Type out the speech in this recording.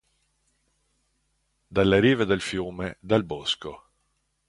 Dalle rive del fiume, dal bosco.